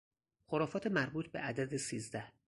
خرافات مربوط به عدد سیزده